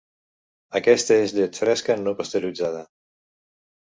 Aquesta és llet fresca no pasteuritzada.